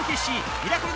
『ミラクル